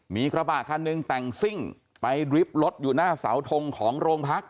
มีกระบะคันหนึ่งแต่งซิ่งไปริบรถอยู่หน้าเสาทงของโรงพัก